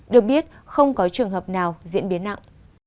được biết không có trường hợp nào diễn biến nặng